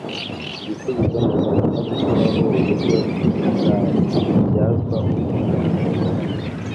Ibisubizo Mu Rwanda No Gushyiraho Uburyo Bwabyazwa Umusaruro